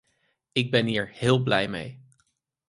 Ik ben hier heel blij mee.